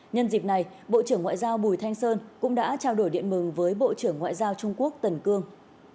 nhân dịp này bộ trưởng ngoại giao bùi thanh sơn cũng đã trao đổi điện mừng với bộ trưởng ngoại giao trung quốc tần cương